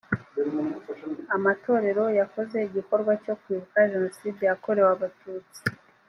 amatorero yakoze igikorwa cyo kwibuka jenoside yakorewe abatutsi